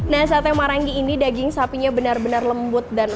nah sate marangi ini daging sapinya benar benar lembut